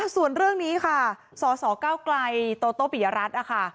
ส่วนเรื่องนี้ค่ะสสเก้าไกลโตโต้ปิยรัฐนะคะ